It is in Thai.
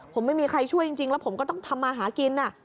ผมไม่มีใครช่วยจริงแล้วผมก็ต้องทำมาหากิน